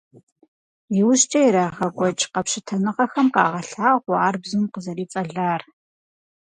Иужькӏэ ирагъэкӏуэкӏ къэпщытэныгъэхэм къагъэлъагъуэ ар бзум къызэрицӏэлар.